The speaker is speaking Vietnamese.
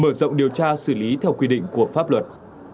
mở rộng điều tra xử lý theo quy định của pháp luật